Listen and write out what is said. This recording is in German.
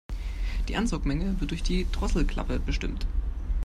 Die Ansaugmenge wird durch die Drosselklappe bestimmt.